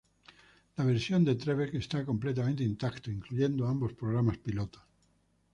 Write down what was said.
La versión de Trebek está completamente intacto, incluyendo ambos programas pilotos.